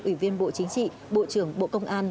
ủy viên bộ chính trị bộ trưởng bộ công an